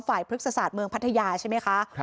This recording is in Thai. พฤกษศาสตร์เมืองพัทยาใช่ไหมคะ